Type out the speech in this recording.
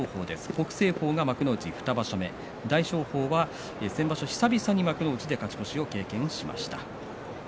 北青鵬が幕内２場所目大翔鵬は先場所、久々に幕内で勝ち越しを経験しました。